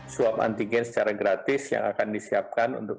swab antigen secara gratis yang akan disiapkan untuk